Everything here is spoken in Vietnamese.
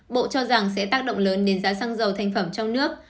bộ cho rằng sẽ tác động lớn đến giá xăng dầu thành phẩm trong nước